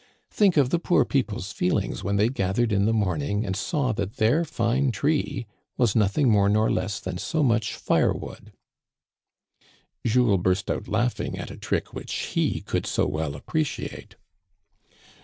Think of the poor peoples' feelings when they gathered in the morning and saw that their fine tree was nothing more nor less than so much firewood !" Jules burst out laughing at a trick which he could so well appreciate.